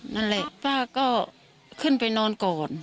นั่นแหละป้าก็ขึ้นไปนอนก่อน